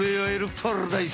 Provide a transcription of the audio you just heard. パラダイス。